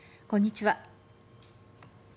こんにちは。